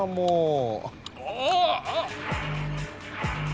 ああ。